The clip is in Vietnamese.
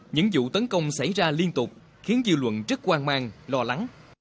những vụ tấn công xảy ra liên tục khiến dư luận rất hoang mang lo lắng